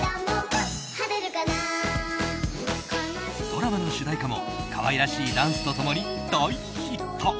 ドラマの主題歌も可愛らしいダンスと共に大ヒット。